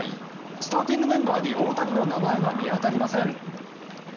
スターティングメンバーに大谷の名前が見当たりません。